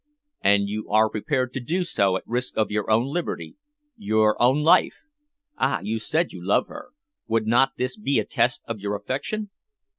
"And you are prepared to do so at risk of your own liberty your own life? Ah! you said you love her. Would not this be a test of your affection?"